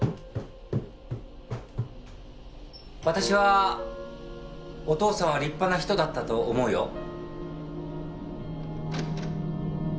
私はお父さんは立派な人だったと思うよ。